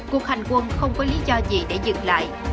cuộc hành quân không có lý do gì để dựng lại